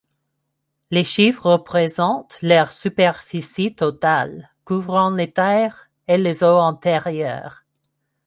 Les chiffres représentent leur superficie totale, couvrant les terres et les eaux intérieures.